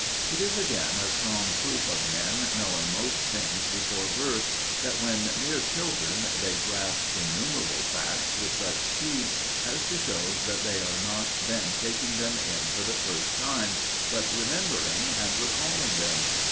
It is again a strong proof of men knowing most things before birth, that when mere children they grasp innumerable facts with such speed as to show that they are not then taking them in for the first time, but remembering and recalling them.